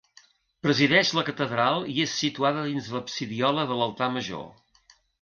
Presideix la catedral i és situada dins l'absidiola de l'altar major.